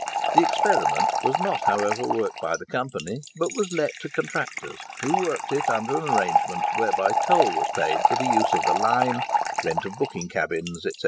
"The Experiment" was not, however, worked by the company, but was let to contractors who worked it under an arrangement whereby toll was paid for the use of the line, rent of booking cabins, etc.